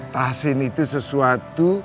tahsin itu sesuatu